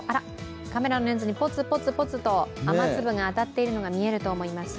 カメラにポツポツと雨粒が当たっているのが見えると思います。